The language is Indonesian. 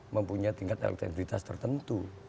mempunyai tingkat elektabilitas tertentu